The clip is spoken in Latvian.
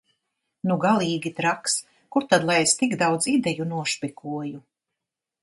Nu galīgi traks! Kur tad lai es tik daudz ideju nošpikoju?